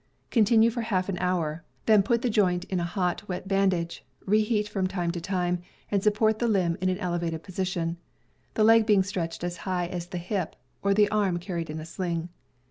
Continue for half an hour, then put the joint in a hot, wet bandage, reheat from time to time, and support the limb in an elevated position, the leg being stretched as high as the hip, or the arm carried in a sling.